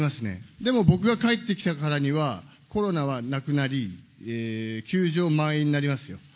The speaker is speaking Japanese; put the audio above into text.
でも僕が帰ってきたからには、コロナはなくなり、球場満員になりますよ。